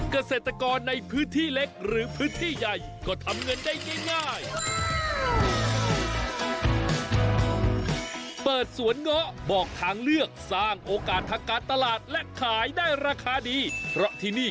เกษตรกรในพื้นที่เล็กหรือพื้นที่ใหญ่ก็ทำเงินได้ง่ายตัวจบเบอร์สวนเงาะบอกทางเลือกสร้างโอกาศทากัดตลาดและขายได้ราคาดีรสที่นี่